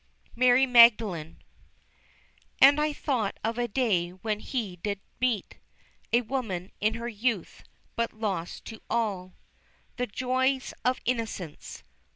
MARY MAGDALENE. And I thought of a day when He did meet A woman, in her youth, but lost to all The joys of innocence.